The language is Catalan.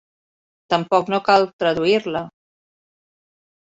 Tampoc no cal traduir-la.